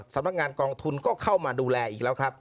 สำนักงานกองทุนก็เข้ามาดูแลอีกแล้วครับ